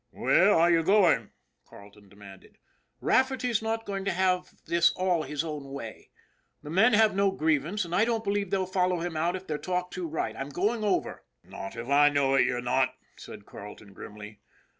"Where are you going?" Carleton demanded. " Rafferty's not going to have this all his own way. The men have no grievance, and I don't believe they'll follow him out if they're talked to right. I'm going over." " Not if I know it, you're not," said Carleton grimly.